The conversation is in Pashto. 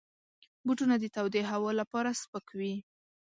بوټونه د تودې هوا لپاره سپک وي.